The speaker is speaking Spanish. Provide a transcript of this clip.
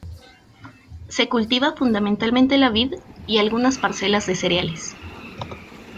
Se cultiva fundamentalmente la vid y algunas parcelas de cereales.